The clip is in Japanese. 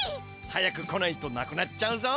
早く来ないとなくなっちゃうぞ。